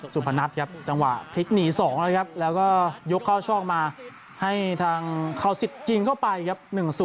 พนัทครับจังหวะพลิกหนี๒แล้วครับแล้วก็ยกเข้าช่องมาให้ทางเข้าสิทธิ์ยิงเข้าไปครับ๑๐